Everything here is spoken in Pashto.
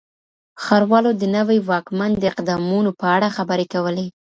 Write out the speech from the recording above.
ښاروالو د نوي واکمن د اقدامونو په اړه خبرې کولې.